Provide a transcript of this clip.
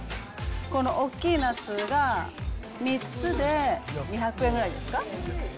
このおっきいナスが３つで２００円ぐらいですか。